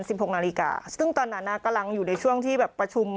หกนาฬิกาซึ่งตอนนั้นน่ะกำลังอยู่ในช่วงที่แบบประชุม